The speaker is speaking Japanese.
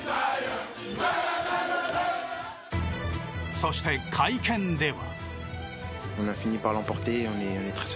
そして会見では。